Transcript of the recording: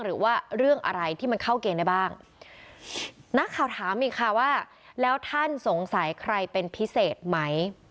หรือว่าเรื่องอะไรที่มันเข้าเกณฑ์ได้บ้างนักข่าวถามอีกค่ะว่าแล้วท่านสงสัยใครเป็นพิเศษไหม